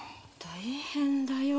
大変だよ。